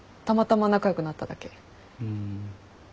ふん。